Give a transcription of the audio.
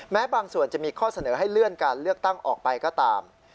แม้บางส่วนจะมีข้อเสนอให้เลื่อนการเลือกตั้งออกไปก็ตาม